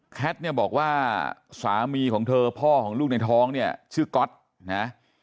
ทเนี่ยบอกว่าสามีของเธอพ่อของลูกในท้องเนี่ยชื่อก๊อตนะ